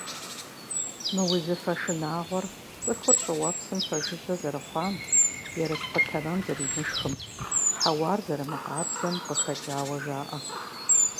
Мы узыфэ шынагъуэр цӀыхур щӀыуэпсым пэжыжьэ зэрыхъуам, ерыскъы тэмэм зэримышхым, хьэуар зэрымыкъабзэм къыхэкӀауэ жаӏэ.